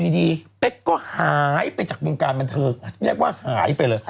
เดียวก็เป๊กก็หายเองจากวงการบันเทิกจะเรียกว่ายีจะหายไปเลย